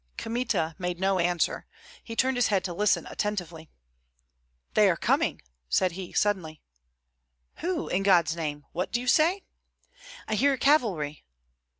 Kmita made no answer; he turned his head to listen attentively. "They are coming!" said he, suddenly. "Who, in God's name? What do you say?" "I hear cavalry."